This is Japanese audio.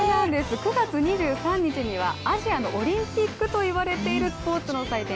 ９月２３日にはアジアのオリンピックといわれているスポーツの祭典